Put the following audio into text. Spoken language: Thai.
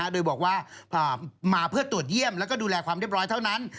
โดยบอกว่ามาเพื่อตรวจเยี่ยมแล้วก็ดูแลความเรียบร้อยเท่านั้น